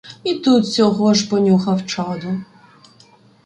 І тут сього ж понюхав чаду